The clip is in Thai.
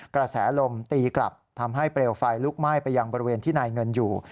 กระแสลมตีกลับทำให้เปลวไฟลุกไหม้ไปยังบริเวณที่นายเงินอยู่